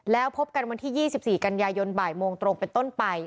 แล้วพบกันวันที่๒๔กันยายนบ่ายโมงตรงเป็นต้นไป